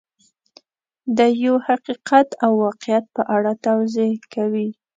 د یو حقیقت او واقعیت په اړه توضیح کوي.